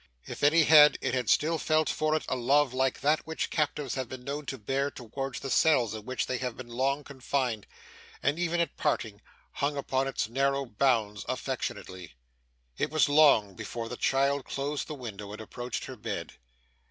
If any had, it had still felt for it a love like that which captives have been known to bear towards the cell in which they have been long confined, and, even at parting, hung upon its narrow bounds affectionately. It was long before the child closed the window, and approached her bed.